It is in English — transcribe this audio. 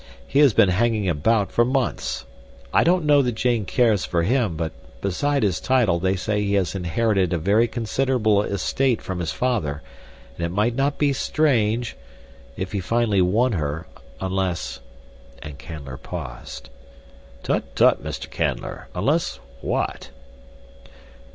"He has been hanging about for months. I don't know that Jane cares for him; but beside his title they say he has inherited a very considerable estate from his father, and it might not be strange,—if he finally won her, unless—" and Canler paused. "Tut—tut, Mr. Canler; unless—what?"